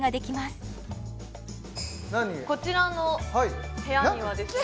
こちらの部屋にはですね